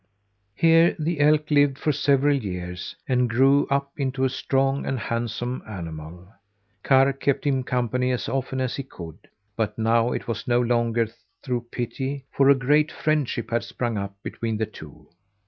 Here the elk lived for several years, and grew up into a strong and handsome animal. Karr kept him company as often as he could; but now it was no longer through pity, for a great friendship had sprung up between the two.